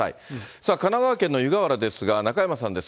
さあ、神奈川県の湯河原ですが、中山さんです。